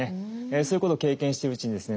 そういうことを経験してるうちにですね